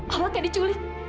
apa kayak diculik